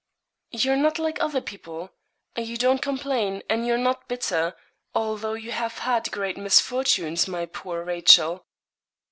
'You're not like other people; you don't complain, and you're not bitter, although you have had great misfortunes, my poor Rachel.'